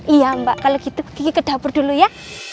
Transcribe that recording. iya mbak kalau gitu gigi ke dapur dulu ya